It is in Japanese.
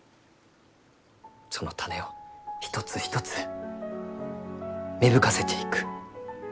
その種を一つ一つ芽吹かせていく。